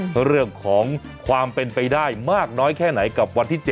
เรื่องของความเป็นไปได้มากน้อยแค่ไหนกับวันที่๗